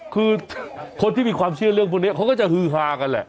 คือคนที่มีความเชื่อเรื่องพวกนี้เขาก็จะฮือฮากันแหละ